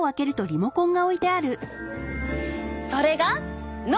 それが脳！